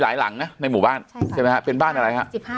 หลายหลังน่ะในหมู่บ้านใช่ไหมฮะเป็นบ้านอะไรฮะสิบห้า